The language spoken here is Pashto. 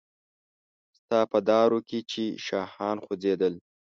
ستا په دارو کې چې شاهان خوځیدل